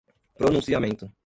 pronunciamento